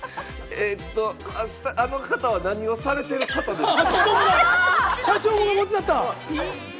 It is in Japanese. えっと、あの方は何をされてる方ですか？